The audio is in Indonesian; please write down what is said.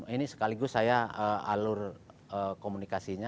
ini sekaligus saya alur komunikasinya